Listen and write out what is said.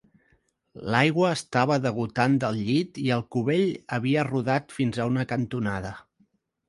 L'aigua estava degotant del llit i el cubell havia rodat fins a una cantonada.